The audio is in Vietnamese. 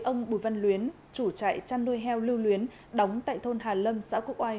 ông bùi văn luyến chủ trại chăn nuôi heo lưu luyến đóng tại thôn hà lâm xã quốc oai